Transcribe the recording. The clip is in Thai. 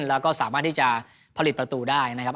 และเราก็สามารถผลิตประตูได้นะครับ